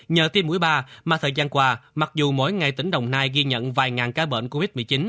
nhờ tiêm mũi ba mà thời gian qua mặc dù mỗi ngày tỉnh đồng nai ghi nhận vài ngàn ca bệnh covid một mươi chín